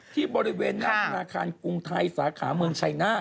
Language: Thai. ที่บริเวณหน้าธนาคารกรุงไทยสาขาเมืองชัยนาธ